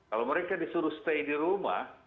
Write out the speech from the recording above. kalau mereka disuruh stay di rumah